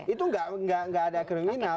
itu enggak ada kriminal